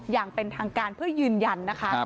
อย่างเป็นทางการเพื่อยืนยันนะคะ